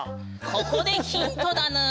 ここでヒントだぬん。